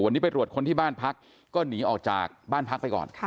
วันนี้ไปตรวจคนที่บ้านพักก็หนีออกจากบ้านพักไปก่อน